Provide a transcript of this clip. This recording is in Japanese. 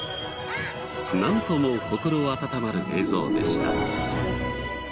なんとも心温まる映像でした。